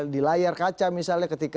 di layar kaca misalnya ketika